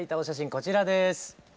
こちらです。